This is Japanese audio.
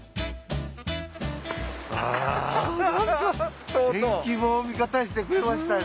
ああ何か天気も味方してくれましたね。